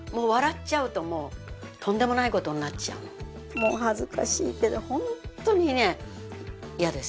もう恥ずかしいけどホントにね嫌です。